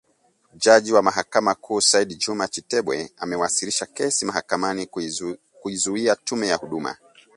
Jaji wa mahakama kuu Said Juma Chitembwe amewasilisha kesi mahakamani kuizui tume ya huduma